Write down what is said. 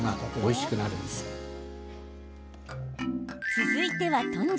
続いては豚汁。